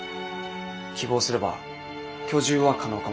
希望すれば居住は可能かもしれません。